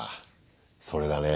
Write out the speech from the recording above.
それだね。